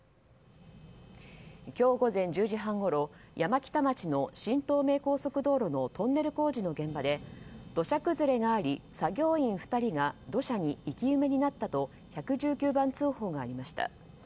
今日午前１０時半ごろ山北町の新東名高速道路のトンネル工事の現場で土砂崩れがあり作業員２人が土砂に生き埋めになったと１１９番通報がありました。